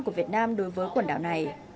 của việt nam đối với quần đảo này